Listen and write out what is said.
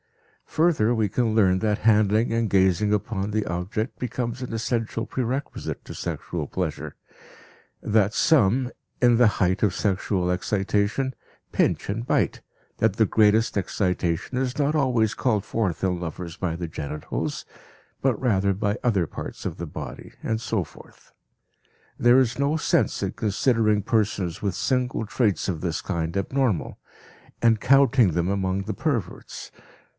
Further, we can learn that handling and gazing upon the object becomes an essential prerequisite to sexual pleasure; that some, in the height of sexual excitation, pinch and bite, that the greatest excitation is not always called forth in lovers by the genitals, but rather by other parts of the body, and so forth. There is no sense in considering persons with single traits of this kind abnormal, and counting them among the perverts.